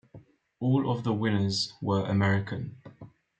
All of the winners were American.